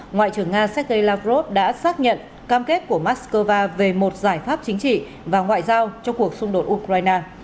ngoại trưởng nga sergei lavrov đã xác nhận cam kết của moscow về một giải pháp chính trị và ngoại giao cho cuộc xung đột ukraine